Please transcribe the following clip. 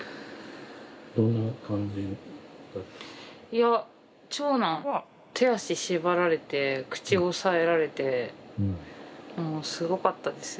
いや長男は手足縛られて口押さえられてもうすごかったですよ。